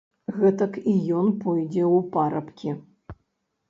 Гэтак і ён пойдзе ў парабкі.